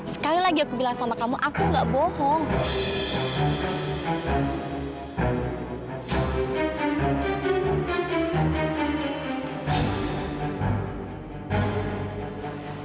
sekali lagi aku bilang sama kamu aku gak bohong